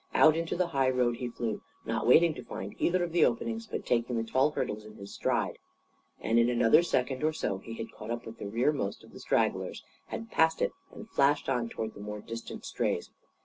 Out into the high road he flew, not waiting to find either of the openings; but taking the tall hurdles in his stride. And in another second or so he had caught up with the rearmost of the stragglers, had passed it and flashed on toward the more distant strays.